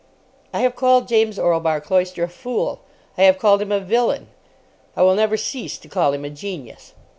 I have called James Orlebar Cloyster a fool; I have called him a villain. I will never cease to call him a genius.